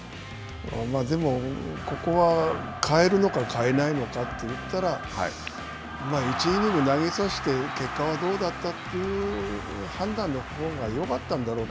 でも、ここは代えるのか、代えないのかといったら、１イニング投げさせて、結果がどうだったという判断のほうがよかったんだろう